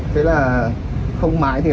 thế là không máy thì là tám trăm linh